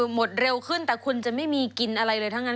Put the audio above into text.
หมดเร็วขึ้นแต่คุณจะไม่มีกินอะไรเลยทั้งนั้น